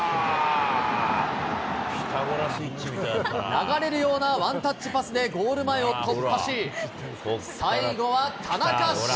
流れるようなワンタッチパスでゴール前を突破し、最後は田中駿